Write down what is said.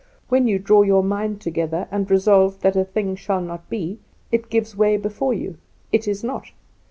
"When you draw your mind together, and resolve that a thing shall not be, it gives way before you; it is not.